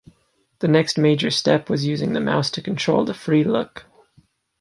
The next major step was using the mouse to control the free look.